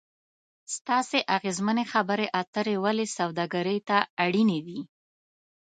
ستاسې اغیزمنې خبرې اترې ولې سوداګري ته اړینې دي ؟